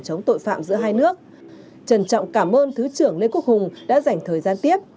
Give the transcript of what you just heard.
chống tội phạm giữa hai nước trân trọng cảm ơn thứ trưởng lê quốc hùng đã dành thời gian tiếp